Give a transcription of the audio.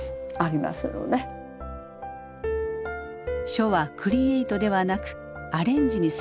書はクリエートではなくアレンジにすぎない。